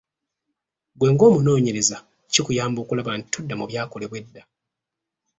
Ggwe ng’omunoonyereza kikuyamba okulaba nti todda mu byakolebwa edda.